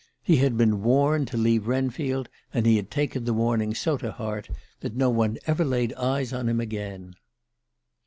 He had been 'warned' to leave Wrenfield, and he had taken the warning so to heart that no one ever laid eyes on him again."